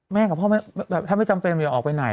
กับพ่อถ้าไม่จำเป็นอย่าออกไปไหน